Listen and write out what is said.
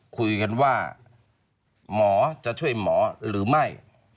คุยกันว่าหมอจะช่วยหมอหรือไม่